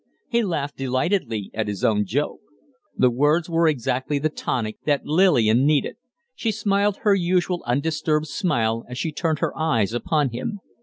He laughed delightedly at his own joke. The words were exactly the tonic that Lillian needed. She smiled her usual undisturbed smile as she turned her eyes upon him.